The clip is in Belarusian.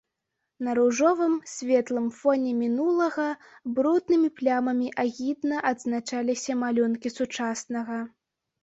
На ружовым, светлым фоне мінулага бруднымі плямамі агідна адзначаліся малюнкі сучаснага.